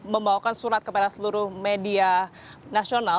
membawakan surat kepada seluruh media nasional